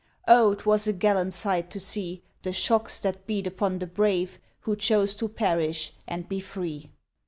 O, 'twas a gallant sight to see The shocks that beat upon the brave Who chose to perish and be free!